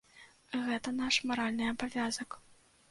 Гэта наш маральны абавязак.